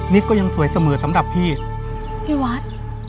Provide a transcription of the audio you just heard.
นี่ก็ยังสวยเสมอสำหรับพี่พี่วัด